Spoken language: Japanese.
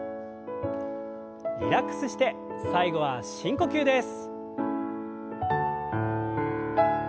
リラックスして最後は深呼吸です。